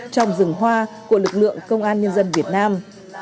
trong rừng hoa của lực lượng công an nhân dân việt nam